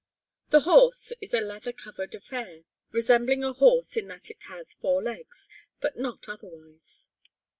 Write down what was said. The "horse" is a leather covered affair, resembling a horse in that it has four legs but not otherwise.